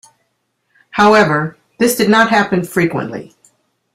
However, this did not happen frequently.